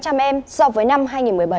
để đáp ứng số lượng học sinh